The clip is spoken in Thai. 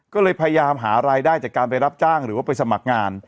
ก็เลยพยายามหารายได้จากการไปรับจ้างหรือว่าไปสมัครงาน